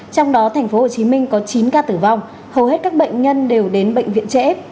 trong đó tp hcm có chín ca tử vong hầu hết các bệnh nhân đều đến bệnh viện trẻ